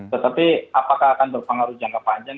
tetapi apakah akan berpengaruh jangka panjang